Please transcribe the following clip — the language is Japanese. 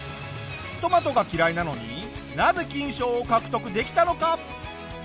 トマトが嫌いなのになぜ金賞を獲得できたのか？